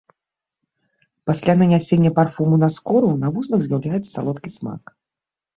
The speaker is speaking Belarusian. Пасля нанясення парфумы на скуру, на вуснах з'яўляецца салодкі смак.